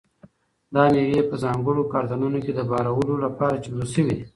دا مېوې په ځانګړو کارتنونو کې د بارولو لپاره چمتو شوي دي.